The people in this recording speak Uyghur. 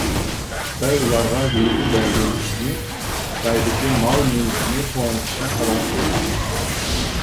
خىتاي ئۇلارغا ۋىزا بەرمەسلىكنى، خىتايدىكى مال مۈلكىنى توڭلىتىشنى قارار قىلغان.